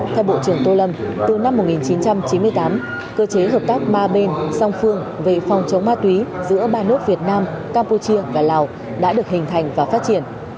theo bộ trưởng tô lâm từ năm một nghìn chín trăm chín mươi tám cơ chế hợp tác ba bên song phương về phòng chống ma túy giữa ba nước việt nam campuchia và lào đã được hình thành và phát triển